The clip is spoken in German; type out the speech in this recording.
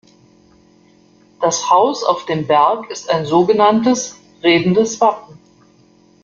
Das Haus auf dem Berg ist ein sogenanntes „redendes Wappen“.